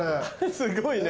すごいね。